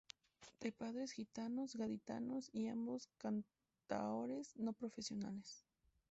De padres gitanos, gaditanos y ambos cantaores no profesionales.